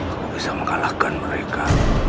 aku bisa mengalahkan mereka